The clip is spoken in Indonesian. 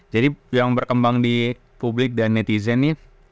jadi yang berkembang di publik dan netizen nih